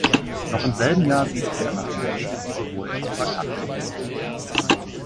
Noch im selben Jahr siedelte er nach Indonesien über, wo er in Surakarta lebte.